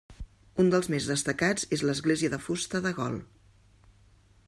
Un dels més destacats és l'església de fusta de Gol.